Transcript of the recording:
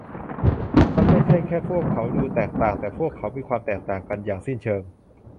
มันไม่ใช่แค่พวกเขาดูแตกต่าง แต่พวกเขามีความแตกต่างกันอย่างสิ้นเชิง